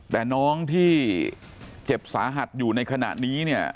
แต่น้องที่เจ็บสาหัสอยู่ในขณะนี้เนี่ย